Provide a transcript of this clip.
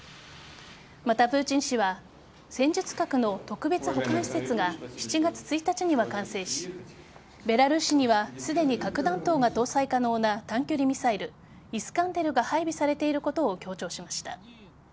また、プーチン氏は戦術核の特別保管施設が７月１日には完成しベラルーシにはすでに核弾頭が搭載可能な短距離ミサイルイスカンデルが配備されていることを強調しました。